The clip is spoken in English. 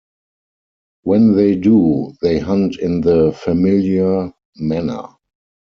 When they do, they hunt in the familiar manner.